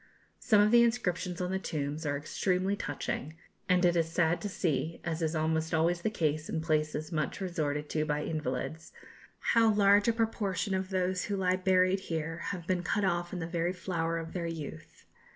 Some of the inscriptions on the tombs are extremely touching, and it is sad to see, as is almost always the case in places much resorted to by invalids, how large a proportion of those who lie buried here have been cut off in the very flower of their youth.